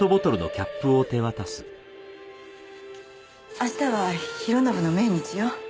明日は弘信の命日よ。